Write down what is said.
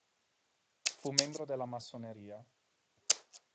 Fu membro della massoneria.